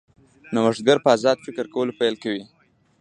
نوښتګر په ازاد فکر کولو پیل کوي.